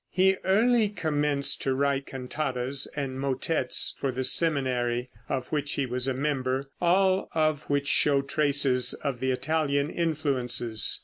He early commenced to write cantatas and motettes for the seminary, of which he was a member, all of which show traces of the Italian influences.